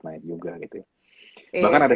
naik juga gitu ya bahkan ada